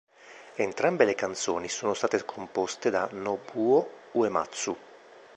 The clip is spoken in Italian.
Entrambe le canzoni sono state composte da Nobuo Uematsu.